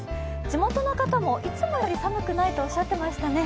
地元の方もいつもより寒くないとおっしゃっていましたね。